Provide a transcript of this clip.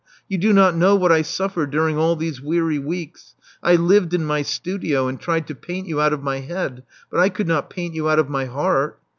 You do not know what I suffered during all these weary weeks. I lived in my studio, and tried to paint you out of my head; but I could not paint your out of my heart.